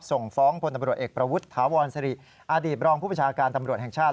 ส่งฟ้องพลตำรวจเอกประวุฒิถาวรสิริอดีตรองผู้ประชาการตำรวจแห่งชาติ